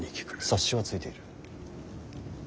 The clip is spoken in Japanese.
察しはついている。